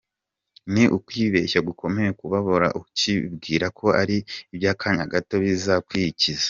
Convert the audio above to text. Ni ukwibeshya gukomeye kubabara ukibwira ko ari aby’akanya gato bizakwikiza.